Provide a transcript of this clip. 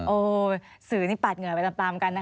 สื่อนี่ปาดเหงื่อไปตามกันนะคะ